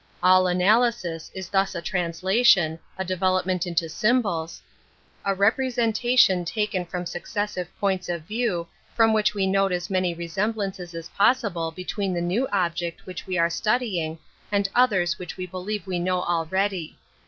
All analysis is thus a translation, a development into symbols, a 8 An Introduction to representation taken from auccesaive points of view from which we not« as many re semblances &s possible between the new object which we are studying and others which we believe we know already.